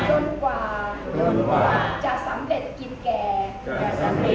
ย้นกว่าจะสำเร็จกินแก่